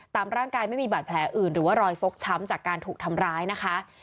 ตามร่างกายไม่มีบาดแผลอื่นหรือว่ารอยฟกช้ำจากการถูกทำร้ายนะคะ